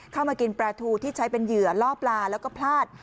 มากินปลาทูที่ใช้เป็นเหยื่อล่อปลาแล้วก็พลาด